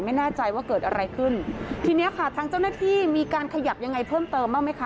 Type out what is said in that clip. ไม่แน่ใจว่าเกิดอะไรขึ้นทีเนี้ยค่ะทางเจ้าหน้าที่มีการขยับยังไงเพิ่มเติมบ้างไหมคะ